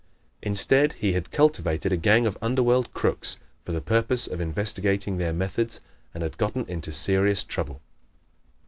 Instead he had cultivated a gang of underworld crooks for the purpose of investigating their methods and had gotten into serious trouble.